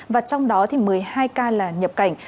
và trong đó thì một mươi hai ca là nhập cảnh